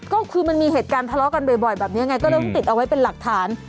ก็คือมันมีเหตุการณ์ทะเลาะกันบ่อยแบบนี้ยังไงก็เลยต้องติดเอาไว้เป็นหลักฐาน